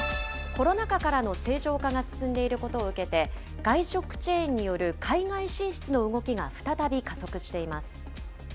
コロナ禍からの正常化が進んでいることを受けて、外食チェーンによる海外進出の動きが再び加速しています。